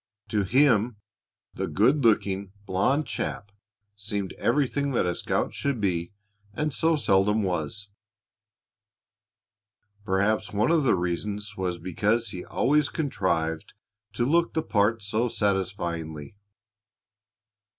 To him, the good looking, blond chap seemed everything that a scout should be and so seldom was. Perhaps one of the reasons was because he always contrived to look the part so satisfyingly.